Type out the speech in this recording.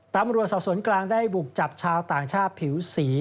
ตำรวจสอบสวนกลางได้บุกจับชาวต่างชาติผิวสี